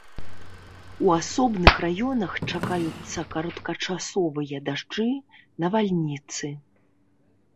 У асобных раёнах чакаюцца кароткачасовыя дажджы, навальніцы.